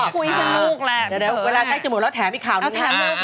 คุยสนุกแหละเดี๋ยวเวลาใกล้จะหมดแล้วแถมอีกข่าวหนึ่ง